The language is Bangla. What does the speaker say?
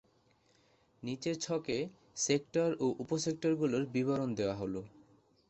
নিচের ছকে সেক্টর এবং উপ-সেক্টরগুলোর বিবরণ দেয়া হলো।